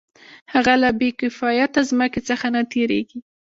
هغه له بې کفایته ځمکې څخه نه تېرېږي